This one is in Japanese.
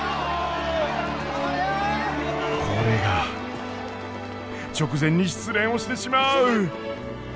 これが直前に失恋をしてしまう。